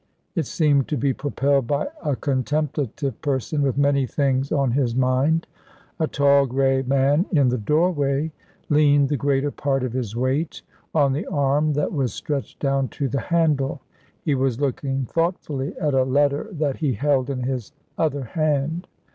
It seemed to be propelled by a contemplative person with many things on his mind. A tall, grey man in the doorway leaned the greater part of his weight on the arm that was stretched down to the handle. He was looking thoughtfully at a letter that he held in his other hand.